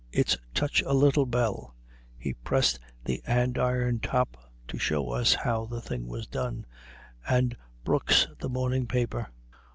It's touch a little bell" (he pressed the andiron top to show us how the thing was done), "and 'Brooks, the morning paper!'